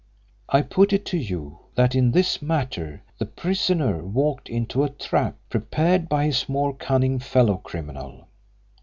I put it to you that in this matter the prisoner walked into a trap prepared by his more cunning fellow criminal.